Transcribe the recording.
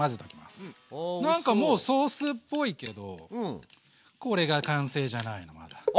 何かもうソースっぽいけどこれが完成じゃないのまだ。